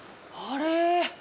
あれ？